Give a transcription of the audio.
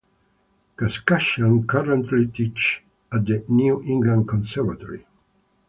Kashkashian currently teaches at the New England Conservatory.